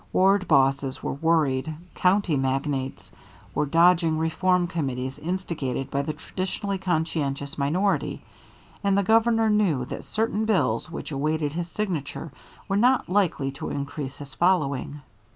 Ward bosses were worried, county magnates were dodging reform committees instigated by the traditionally conscientious minority, and the Governor knew that certain bills which awaited his signature were not likely to increase his following.